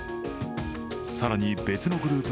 更に別のグループ